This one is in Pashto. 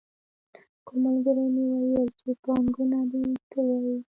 کوم ملګري مې ویل چې پانګونه دې ته وايي.